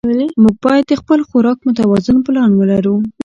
موږ باید د خپل خوراک متوازن پلان ولرو